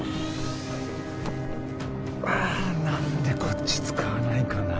なんでこっち使わないかな？